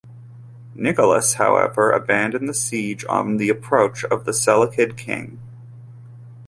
Nicolaus, however, abandoned the siege on the approach of the Seleucid king.